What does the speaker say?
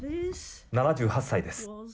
７８歳です。